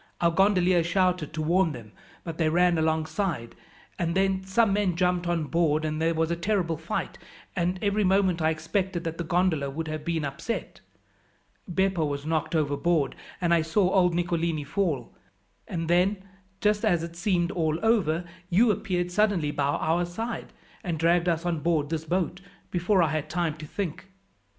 Our gondolier shouted to warn them, but they ran alongside, and then some men jumped on board, and there was a terrible fight, and every moment I expected that the gondola would have been upset. Beppo was knocked overboard, and I saw old Nicolini fall; and then, just as it seemed all over, you appeared suddenly by our side, and dragged us on board this boat before I had time to think."